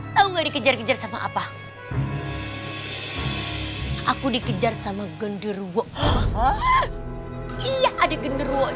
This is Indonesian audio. dan lebih baik lebih baik